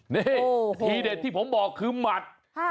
นี่ทีเด็ดที่ผมบอกคือหมัด